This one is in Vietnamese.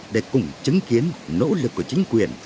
để cùng chứng kiến nỗ lực của chính quyền